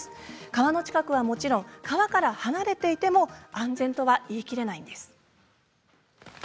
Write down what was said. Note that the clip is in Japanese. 川の近くはもちろん川から離れていても安全とは言い切れないんです。